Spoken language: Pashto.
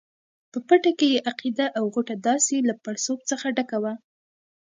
په پټه کې یې عقده او غوټه داسې له پړسوب څخه ډکه وه.